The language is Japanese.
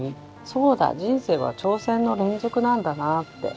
そうだ人生は挑戦の連続なんだなあって。